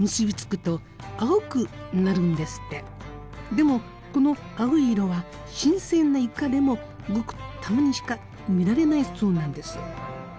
でもこの青い色は新鮮なイカでもごくたまにしか見られないそうなんです。